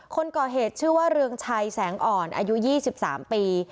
คนก่อเหตุชื่อว่าเรืองชัยแสงอ่อนอายุ๒๓ปี